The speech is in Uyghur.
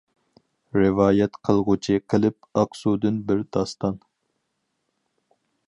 رىۋايەت قىلغۇچى قىلىپ ئاقسۇدىن بىر داستان.